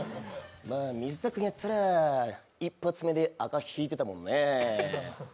水田君やったら一発で赤引いてたもんね。